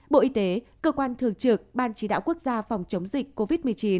bộ y tế cơ quan thường trực ban chỉ đạo quốc gia phòng chống dịch covid một mươi chín